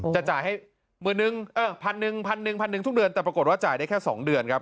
จะจ่ายให้๑๐๐๐๑๐๐๐ทุกเดือนแต่ปรากฏว่าจ่ายได้แค่๒เดือนครับ